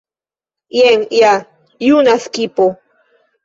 Jen ja juna skipo.